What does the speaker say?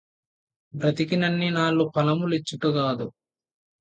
బ్రతికినన్నినాళ్ళు ఫలము లిచ్చుట గాదు